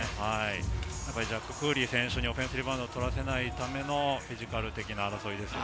ジャック・クーリー選手にオフェンスリバウンドを取らせないためのフィジカル的な争いです。